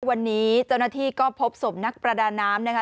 วันนี้เจ้าหน้าที่ก็พบศพนักประดาน้ำนะคะ